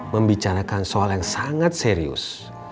membicarakan soal yang sangat serius